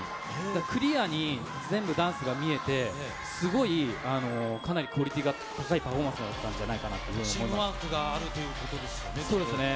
だから、クリアに全部、ダンスが見えて、すごいかなりクオリティーが高いパフォーマンスだったんじゃないチームワークがあるというこそうですね。